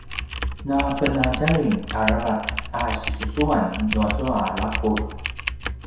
napenadjalim aravac a sisusuan nuazua laqulj